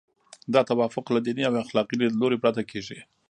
دا توافق له دیني او اخلاقي لیدلوري پرته کیږي.